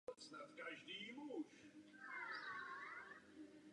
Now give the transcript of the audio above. Menší objekty jsou oproti tomu příliš slabě viditelné a jejich detekce podstatně obtížnější.